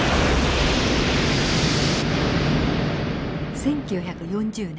１９４０年。